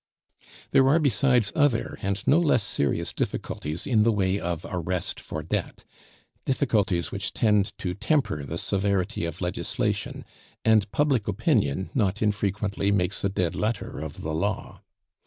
There are, besides, other and no less serious difficulties in the way of arrest for debt difficulties which tend to temper the severity of legislation, and public opinion not infrequently makes a dead letter of the law.